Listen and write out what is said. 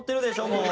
もう」